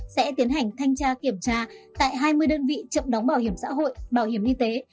sẽ tiến hành thanh tra kiểm tra tại hai mươi đơn vị chậm đóng bảo hiểm xã hội bảo hiểm y tế